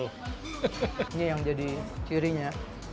ini yang jadi cirinya